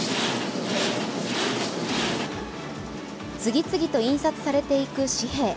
次々と印刷されていく紙幣。